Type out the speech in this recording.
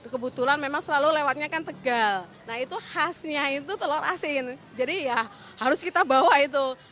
kebetulan memang selalu lewatnya kan tegal nah itu khasnya itu telur asin jadi ya harus kita bawa itu